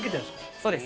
そうです。